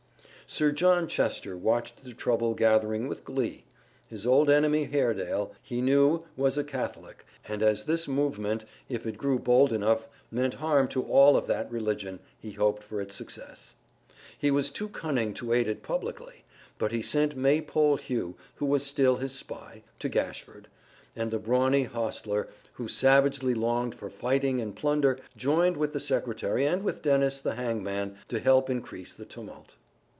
Sir John Chester watched the trouble gathering with glee. His old enemy Haredale, he knew, was a Catholic, and as this movement, if it grew bold enough, meant harm to all of that religion, he hoped for its success. He was too cunning to aid it publicly, but he sent Maypole Hugh, who was still his spy, to Gashford; and the brawny hostler, who savagely longed for fighting and plunder, joined with the secretary and with Dennis the hangman to help increase the tumult.